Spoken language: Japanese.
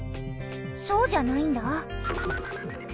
そうじゃないんだ。